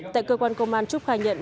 tại cơ quan công an trúc khai nhận